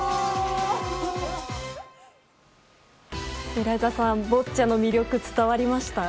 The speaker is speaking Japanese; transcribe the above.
エライザさん、ボッチャの魅力伝わりました？